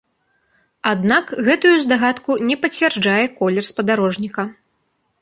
Аднак, гэтую здагадку не пацвярджае колер спадарожніка.